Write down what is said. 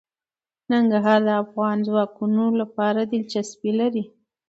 ننګرهار د افغان ځوانانو لپاره دلچسپي لري.